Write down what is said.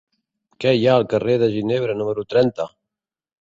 Què hi ha al carrer de Ginebra número trenta?